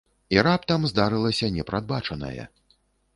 І раптам здарылася непрадбачанае.